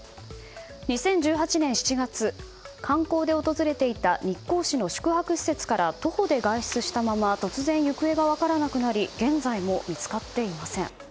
２０１８年７月観光で訪れていた日光市の宿泊施設から徒歩で外出したまま突然、行方が分からなくなり現在も見つかっていません。